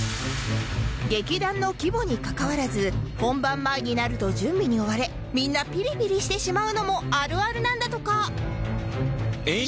劇団の規模にかかわらず本番前になると準備に追われみんなピリピリしてしまうのもあるあるなんだとか